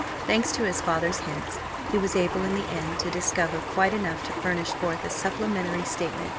Thanks to his father's hints he was able in the end to discover quite enough to furnish forth a supplementary statement.